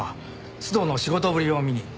須藤の仕事ぶりを見に。